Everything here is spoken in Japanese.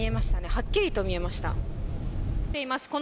はっきりと見えました。